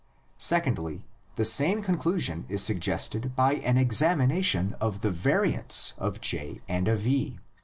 Secondly, the same conclusion is suggested by an examination of the variants of J and of E.